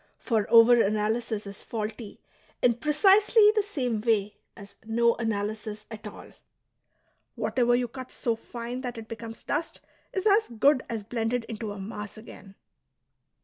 For over analysis is faulty in precisely the same way as no analysis at all ; whatever you cut so fine that it becomes dust is as good as blended into a mass again.''